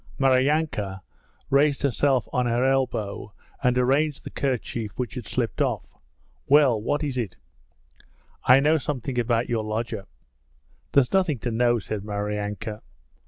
Maryanka raised herself on her elbow and arranged the kerchief which had slipped off. 'Well, what is it?' 'I know something about your lodger!' 'There's nothing to know,' said Maryanka.